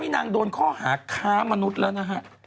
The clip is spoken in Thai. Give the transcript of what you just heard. นางโดนข้อหาค้ามนุษย์แล้วนะฮะ